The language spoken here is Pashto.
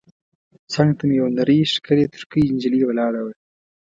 څنګ ته مې یوه نرۍ ښکلې ترکۍ نجلۍ ولاړه وه.